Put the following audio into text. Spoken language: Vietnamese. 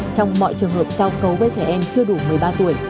trong mọi trường hợp giao cấu với trẻ em chưa đủ một mươi ba tuổi